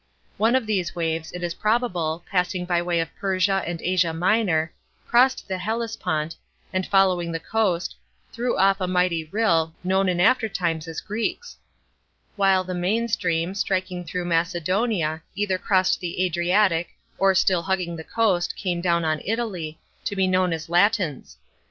One of these waves, it is probable, passing by way of Persia and Asia Minor, crossed the Hellespont, and following the coast, threw off a mighty rill, known in after times as Greeks; while the main stream, striking through Macedonia, either crossed the Adriatic, or, still hugging the coast, came down on Italy, to be known as Latins.